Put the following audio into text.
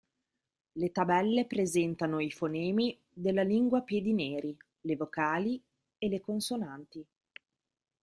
Le tabelle presentano i fonemi della lingua piedi neri, le vocali e le consonanti.